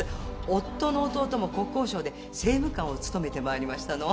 夫の弟も国交省で政務官を務めてまいりましたの。